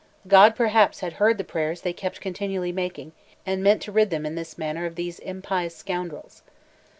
God perhaps had heard the prayers they kept continually making, and meant to rid them in this manner of those impious scoundrels.